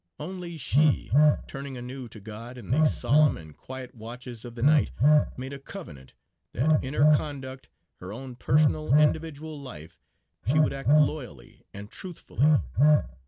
Only she, turning anew to God, in the solemn and quiet watches of the night, made a covenant, that in her conduct, her own personal individual life, she would act loyally and truthfully.